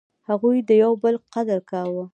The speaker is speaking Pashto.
هغوی د یو بل قدر کاوه.